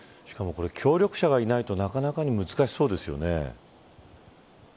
協力者がいないと難しそうですよね。